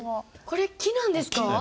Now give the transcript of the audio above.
これ木なんですか？